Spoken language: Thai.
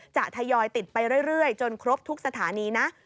ทยอยติดไปเรื่อยจนครบทุกสถานีนะ